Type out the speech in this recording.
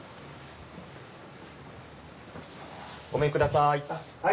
ごめんください。